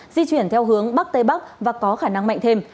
di chuyển theo hướng bắc tây bắc và có khả năng mạnh thêm